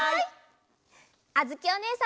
あづきおねえさんも。